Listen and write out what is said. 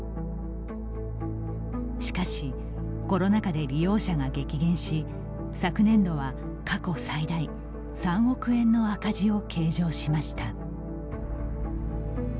しかし、コロナ禍で利用者が激減し昨年度は過去最大３億円の赤字を計上しました。